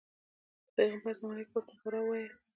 د پیغمبر په زمانه کې یې ورته حرا ویل.